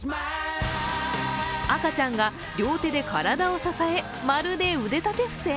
赤ちゃんが両手で体を支えまるで腕立て伏せ？